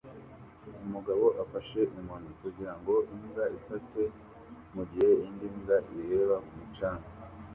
Umugabo afashe inkoni kugirango imbwa ifate mugihe indi mbwa ireba ku mucanga